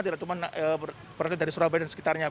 tidak cuma berarti dari surabaya dan sekitarnya